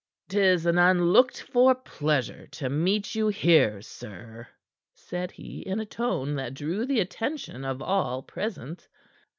"'Tis an unlooked for pleasure to meet you here, sir," said he in a tone that drew the attention of all present.